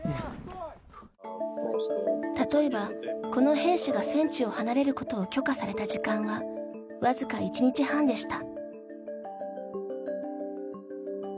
例えば、この兵士が戦地を離れることを許可された時間はわずか１日半でした。